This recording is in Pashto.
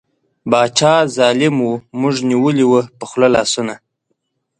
باچا ظالیم وو موږ نیولي وو په خوله لاسونه